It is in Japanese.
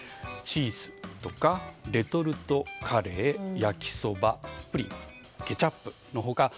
チーズとかレトルトカレー焼きそば、プリンケチャップの他